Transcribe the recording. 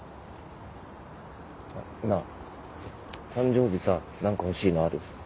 あっなあ誕生日さなんか欲しいのある？